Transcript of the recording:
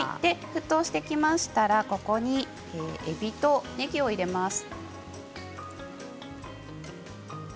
沸騰してきましたらここに、えびとねぎを入れます。